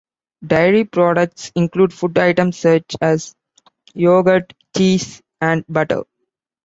Dairy products include food items such as yogurt, cheese, and butter.